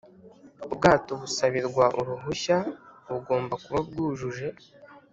ubwato busabirwa uruhushya bugomba kuba bwujuje